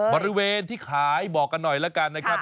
บริเวณที่ขายบอกกันหน่อยแล้วกันนะครับ